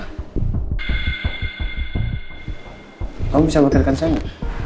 kamu bisa buatirkan saya pak